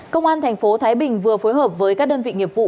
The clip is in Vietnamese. công an tp thái bình vừa phối hợp với các đơn vị nghiệp vụ